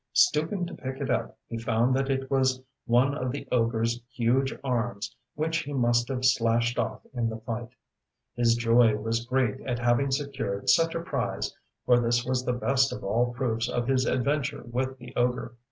Stooping to pick it up he found that it was one of the ogreŌĆÖs huge arms which he must have slashed off in the fight. His joy was great at having secured such a prize, for this was the best of all proofs of his adventure with the ogre.